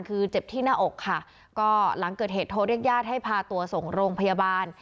คือเจ็บที่หน้าอกค่ะก็หลังเกิดเหตุโทรเรียกญาติให้พาตัวส่งโรงพยาบาล